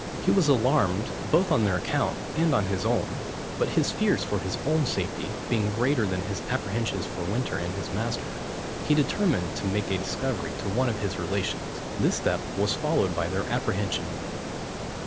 He was alarmed, both on their account, and on his own; but his fears for his own safety being greater than his apprehensions for Winter and his master, he determined to make a discovery to one of his relations. This step was followed by their apprehension.